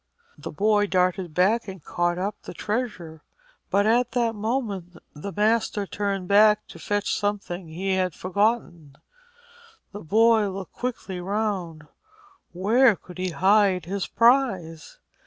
The boy darted back and caught up the treasure; but at that moment the master turned back to fetch something he had forgotten. The boy looked quickly round. Where could he hide his prize?